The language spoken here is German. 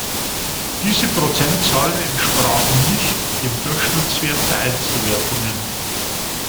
Diese Prozentzahlen entsprachen "nicht" dem Durchschnittswert der Einzelwertungen.